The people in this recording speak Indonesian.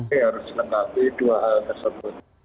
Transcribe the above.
ini harus lengkapi dua hal tersebut